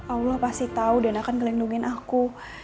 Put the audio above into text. allah pasti tau dan akan gelindungin aku